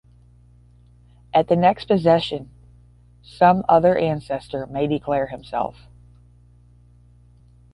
At the next possession, some other ancestor may declare himself.